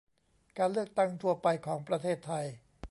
การเลือกตั้งทั่วไปของประเทศไทย